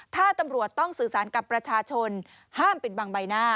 ถ้าตำรวจต้องสื่อสารกับประชาชนห้ามปิดบังใบหน้า